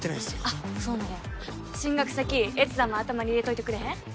あっそうなんや進学先越山も頭に入れといてくれへん？